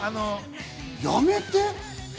やめて！